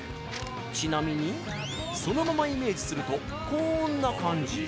ちなみにそのままイメージするとこんな感じ。